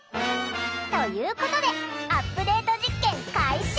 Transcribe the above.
ということでアップデート実験開始！